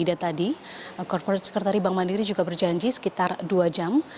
dan tadi corporate secretary bank mandiri juga berjanji sekitar dua jam